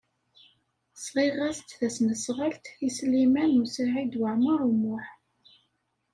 Sɣiɣ-as-d tasnasɣalt i Sliman U Saɛid Waɛmaṛ U Muḥ.